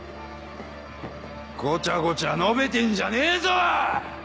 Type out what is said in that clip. ごちゃごちゃ述べてんじゃねえぞ。